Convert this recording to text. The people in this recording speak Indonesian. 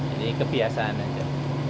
ini kebiasaan aja